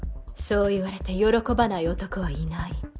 そう言われて喜ばない男はいない